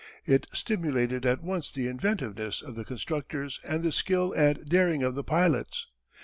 It stimulated at once the inventiveness of the constructors and the skill and daring of the pilots.